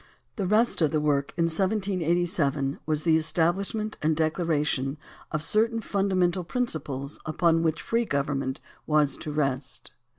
The rest of the work in 1787 was the establishment and declaration of certain fundamental principles upon which free government was to rest.